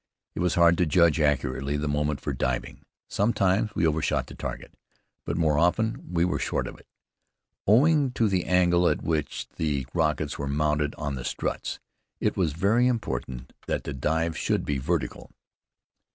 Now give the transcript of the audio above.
It was hard to judge accurately the moment for diving. Sometimes we overshot the target, but more often we were short of it. Owing to the angle at which the rockets were mounted on the struts, it was very important that the dive should be vertical.